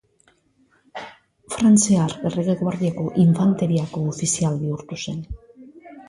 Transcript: Frantziar errege guardiako infanteriako ofizial bihurtu zen.